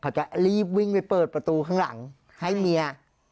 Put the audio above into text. เขาจะรีบวิ่งไปเปิดประตูข้างหลังให้เมีย